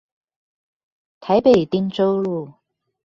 台北汀州路